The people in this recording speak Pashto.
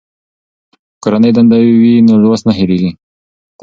که کورنۍ دنده وي نو لوست نه هېریږي.